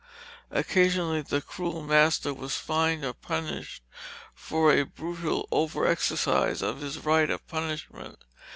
Occasionally the cruel master was fined or punished for a brutal over exercise of his right of punishment.